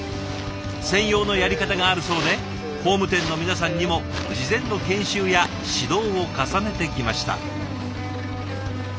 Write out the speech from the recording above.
専用のやり方があるそうで工務店の皆さんにも事前の研修や指導を重ねてきました。